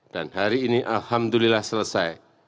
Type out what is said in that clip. hari ini alhamdulillah selesai